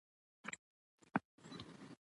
په دنیا کي څه بدرنګه عدالت دی